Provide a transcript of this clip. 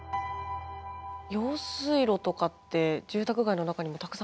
用水路とかって住宅街の中にもたくさんあるじゃないですか。